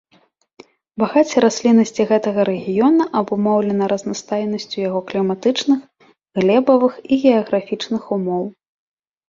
Багацце расліннасці гэтага рэгіёна абумоўлена разнастайнасцю яго кліматычных, глебавых і геаграфічных умоў.